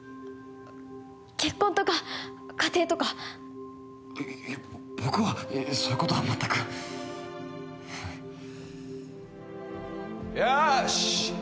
結婚とか家庭とかいいや僕はそういうことは全くよし！